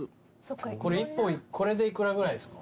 これ１本これで幾らぐらいですか？